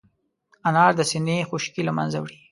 انار د سينې خشکي له منځه وړي.